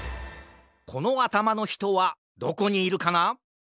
このあたまのひとはどこにいるかな？